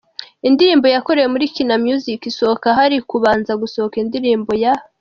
indirimbo yakorewe muri Kina music isohoka hari kubanza gusohoka indirimbo ya.